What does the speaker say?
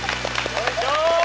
よいしょ。